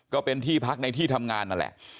ก็เป็นที่พักในที่ทำงานนั่นแหละ